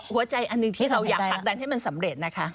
อันหนึ่งที่เราอยากผลักดันให้มันสำเร็จนะคะ